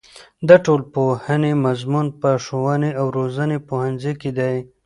د ټولنپوهنې مضمون په ښوونې او روزنې پوهنځي کې دی.